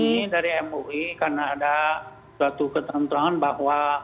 ya kami dari mui karena ada satu ketentuan bahwa